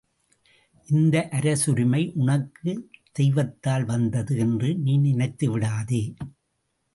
இந்த அரசுரிமை உனக்குத் தெய்வத்தால் வந்தது என்று நீ நினைத்து விடாதே!